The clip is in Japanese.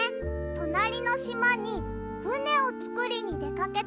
となりのしまにふねをつくりにでかけたの。